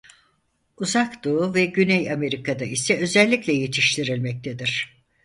Uzak Doğu ve Güney Amerika'da ise özellikle yetiştirilmektedir.